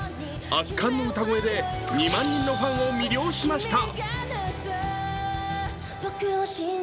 圧巻の歌声で２万人のファンを魅了しました。